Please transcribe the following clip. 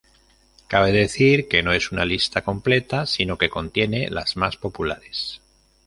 Cabe decir que no es una lista completa, sino que contiene las más populares.